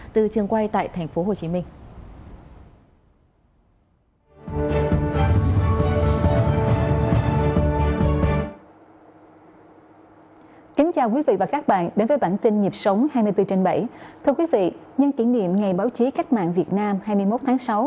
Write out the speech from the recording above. thưa quý vị nhân kỷ niệm ngày báo chí khách mạng việt nam hai mươi một tháng sáu